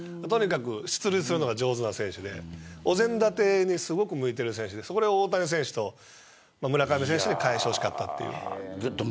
出塁するのが上手な選手でお膳立てに向いている選手でそれを大谷選手と村上選手で返してほしかったっていう。